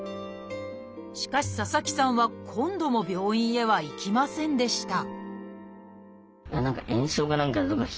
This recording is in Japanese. しかし佐々木さんは今度も病院へは行きませんでした